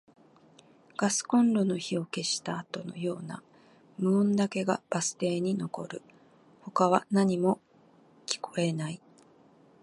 ガスコンロの火を消したあとのような無音だけがバス停に残る。他は何も聞こえない。